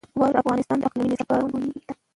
واوره د افغانستان د اقلیمي نظام ښکارندوی ده.